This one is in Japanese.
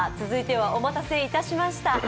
続いては、お待たせいたしました。